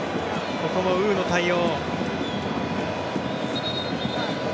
ここもウーの対応。